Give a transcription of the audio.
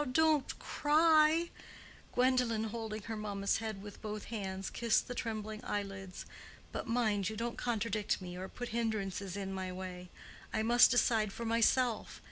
don't cry"—Gwendolen, holding her mamma's head with both hands, kissed the trembling eyelids. "But mind you don't contradict me or put hindrances in my way. I must decide for myself.